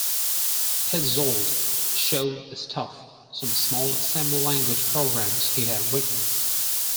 Petzold showed the staff some small assembly-language programs he had written.